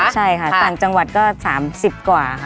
ใช่ค่ะต่างจังหวัดก็๓๐กว่าค่ะ